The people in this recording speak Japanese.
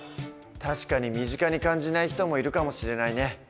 確かに身近に感じない人もいるかもしれないね。